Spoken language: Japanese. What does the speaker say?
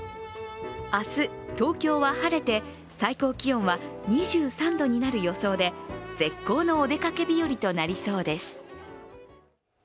明日、東京は晴れて最高気温は２３度になる予想で絶好のお出かけ日和となりそうです。